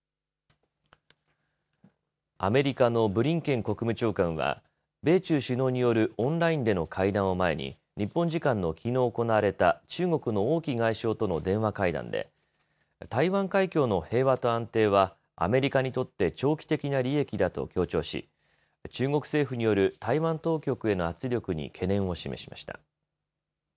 アメリカのブリンケン国務長官は米中首脳によるオンラインでの会談を前に日本時間のきのう行われた中国の王毅外相との電話会談で台湾海峡の平和と安定はアメリカにとって長期的な利益だと強調し中国政府による台湾当局への圧力に懸念を示しました。